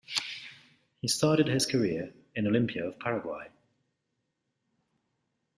He started his career in Olimpia of Paraguay.